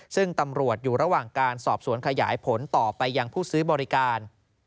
ซึ่งตำรวจอยู่ระหว่างการสอบสวนขยายผลต่อไปยังผู้ซื้อบริการ